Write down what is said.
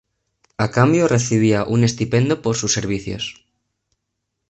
A cambio recibía un estipendio por sus servicios.